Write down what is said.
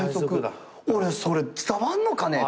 俺それ伝わんのかねって。